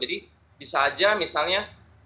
jadi bisa aja misalnya